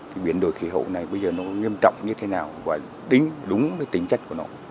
cái biển đồi khí hậu này bây giờ nó nghiêm trọng như thế nào và đúng tính chất của nó